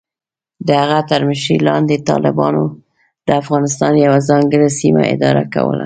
د هغه تر مشرۍ لاندې، طالبانو د افغانستان یوه ځانګړې سیمه اداره کوله.